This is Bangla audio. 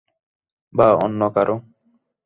বা অন্য কারো।